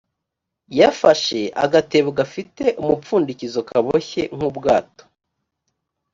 yafashe agatebo gafite umupfundikizo kaboshye nk ubwato